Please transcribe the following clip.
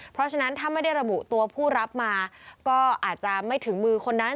เพราะฉะนั้นถ้าไม่ได้ระบุตัวผู้รับมาก็อาจจะไม่ถึงมือคนนั้น